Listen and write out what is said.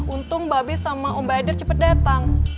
untung mbak b sama om baeder cepet datang